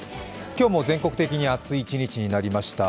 今日も全国的に暑い一日になりました。